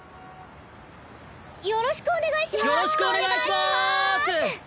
よろしくお願いします